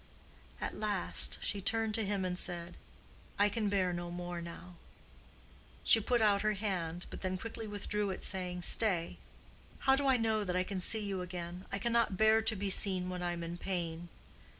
At last she turned to him and said, "I can bear no more now." She put out her hand, but then quickly withdrew it saying, "Stay. How do I know that I can see you again? I cannot bear to be seen when I am in pain."